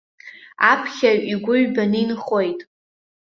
Аԥхьаҩ игәы ҩбаны инхоит.